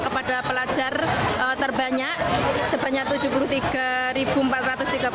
kepada pelajar terbanyak sebanyak tujuh puluh tiga empat ratus tiga puluh